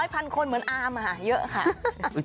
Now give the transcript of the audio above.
พันคนเหมือนอามเยอะค่ะ